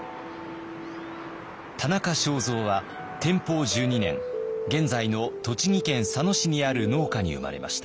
田中正造は天保１２年現在の栃木県佐野市にある農家に生まれました。